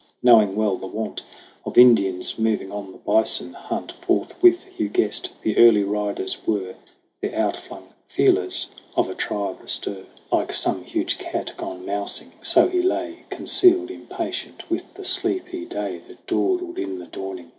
Knowing well the wont Of Indians moving on the bison hunt, Forthwith Hugh guessed the early riders were The outflung feelers of a tribe a stir THE CRAWL 73 Like some huge cat gone mousing. So he lay Concealed, impatient with the sleepy day That dawdled in the dawning.